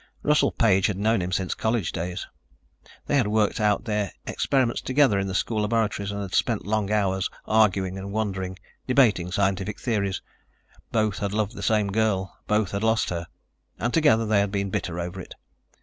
Russell Page had known him since college days. They had worked out their experiments together in the school laboratories, had spent long hours arguing and wondering ... debating scientific theories. Both had loved the same girl, both had lost her, and together they had been bitter over it